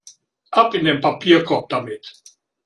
Ab in den Papierkorb damit!